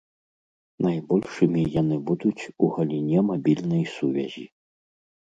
Найбольшымі яны будуць у галіне мабільнай сувязі.